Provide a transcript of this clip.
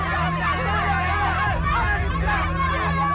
ada apaan ini